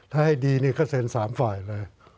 ถ้าให้ดีนี่ก็เซ็น๓ฝ่ายเลย